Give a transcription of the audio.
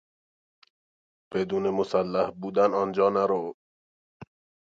بدون مسلح بودن آنجا نرو!